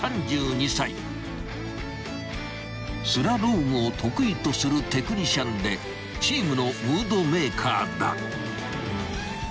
［スラロームを得意とするテクニシャンでチームのムードメーカーだ］